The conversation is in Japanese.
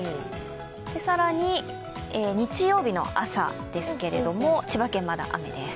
更に日曜日の朝ですけれども千葉県、まだ雨です。